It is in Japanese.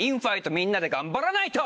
みんなで頑張らないと！